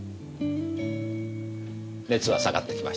熱は下がってきました。